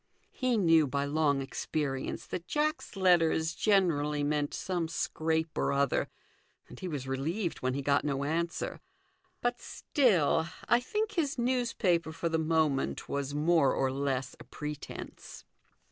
He knew by long experience that Jack's letters generally meant some scrape or other, and he was relieved when he got no answer ; but still, I think, his news paper for the moment was more or less a pretence.